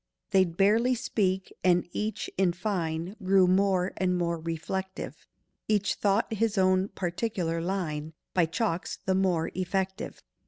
They'd barely speak, and each, in fine, Grew more and more reflective: Each thought his own particular line By chalks the more effective.